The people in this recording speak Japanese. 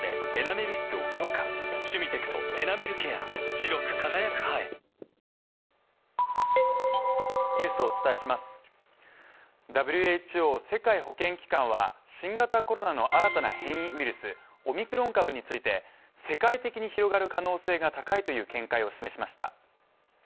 初登場いや最後ねぜひリベンジもしくはＷＨＯ＝世界保健機関は新型コロナの新たな変異ウイルス、オミクロン株について世界的に広がる可能性が高いという見解を示しました。